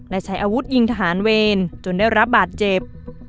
และใช้อาวุธยิงทหารเวรจนได้รับบาดเจ็บ